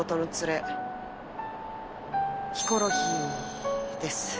ヒコロヒーです。